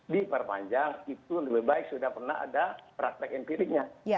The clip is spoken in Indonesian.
diperpanjang itu lebih baik sudah pernah ada praktek empiriknya